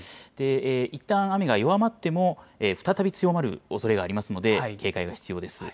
いったん雨が弱まっても、再び強まるおそれがありますので、警戒が必要です。